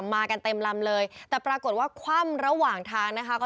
มากันเต็มลำเลยแต่ปรากฏว่าคว่ำระหว่างทางนะคะ